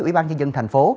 ủy ban nhân dân thành phố